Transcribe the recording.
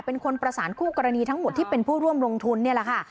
เป็นคนประสานคู่กรณีทั้งหมดที่เป็นผู้ร่วมลงทุนนี่แหละค่ะ